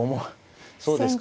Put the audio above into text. そうですか。